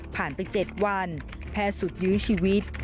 ผ่านไป๗วันแพ้สุดยื้อชีวิต